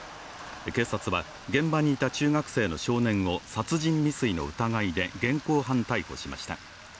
警察は現場にいた中学生の少年を殺人未遂の疑いで現行犯逮捕しました。